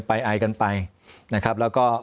ไอกันไปนะครับแล้วก็